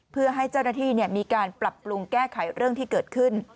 เพื่อให้เจ้าหน้าที่มีการปรับปรุงแก้ไขเรื่องที่เกิดขึ้น